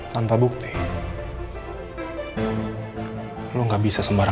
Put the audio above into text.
saya harus hati hati sama dia